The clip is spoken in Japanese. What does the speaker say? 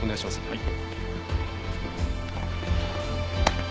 はい。